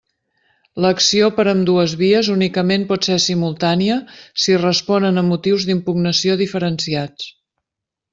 L'acció per ambdues vies únicament pot ser simultània si responen a motius d'impugnació diferenciats.